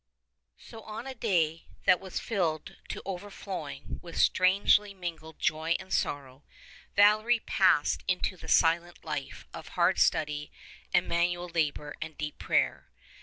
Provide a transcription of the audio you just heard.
So on a day that was filled to overflowing with strangely mingled joy and sorrow, Valery passed into the silent life of hard study and manual labor and deep prayer.